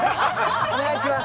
お願いします